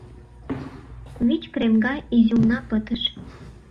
Вич кремга изюмна пытыш